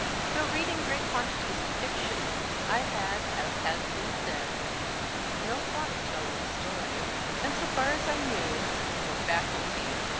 Though reading great quantities of fiction, I had, as has been said, no thought of telling a story, and so far as I knew, no faculty.